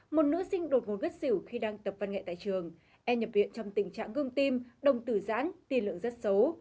một nữ sinh đột ngột gất xỉu khi đang tập văn nghệ tại trường e nhập viện trong tình trạng gương tim đồng tử giãn tiền lượng rất xấu